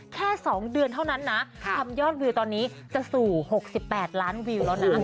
แค่๒เดือนเท่านั้นนะทำยอดวิวตอนนี้จะสู่๖๘ล้านวิวแล้วนะ